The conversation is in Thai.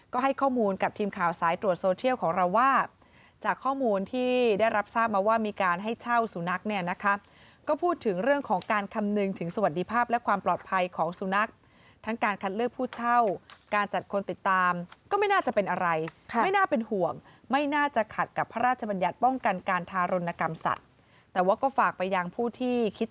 ก็ให้ข้อมูลกับทีมข่าวสายตรวจโซเทียลของเราว่าจากข้อมูลที่ได้รับทราบมาว่ามีการให้เช่าสุนัขเนี่ยนะคะก็พูดถึงเรื่องของการคำนึงถึงสวัสดิภาพและความปลอดภัยของสุนัขทั้งการคัดเลือกผู้เช่าการจัดคนติดตามก็ไม่น่าจะเป็นอะไรไม่น่าเป็นห่วงไม่น่าจะขัดกับพระราชบัญญัติป้องกันการทารุณกรรมสัตว์แต่ว่าก็ฝากไปยังผู้ที่คิด